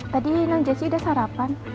tadi nung jessy udah sarapan